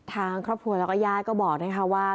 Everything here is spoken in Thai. ทางครอบครัวแล้วก็ญาติก็บอกนะคะว่า